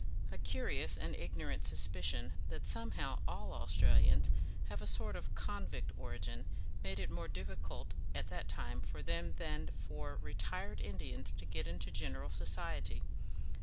A curious and ignorant suspicion that somehow all Australians have a sort of convict origin, made it more difficult at that time for them than for retired Indians to get into general society.